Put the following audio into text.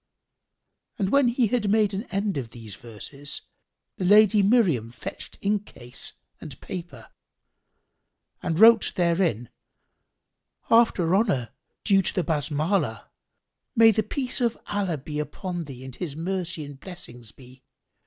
'" When he had made an end of these verses, the Lady Miriam fetched inkcase and paper and wrote therein: "After honour due to the Basmalah,[FN#2] may the peace of Allah be upon thee and His mercy and blessings be!